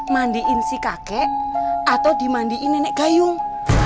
mandiin si kakek atau dimandiin nenek gayung